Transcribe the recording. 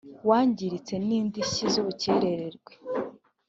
wangiritse n indishyi z ubukererwe